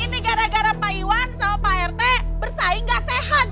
ini gara gara pak iwan sama pak rt bersaing gak sehat